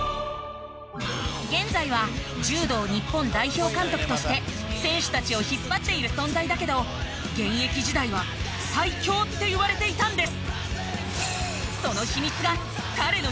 現在は柔道日本代表監督として選手たちを引っ張っている存在だけど現役時代は「最強」って言われていたんです！